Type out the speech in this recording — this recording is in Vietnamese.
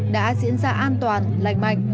đã diễn ra an toàn lành mạnh